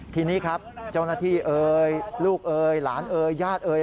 ทีนี้ครับเจ้าหน้าที่เอ่ยลูกเอยหลานเอยญาติเอ่ย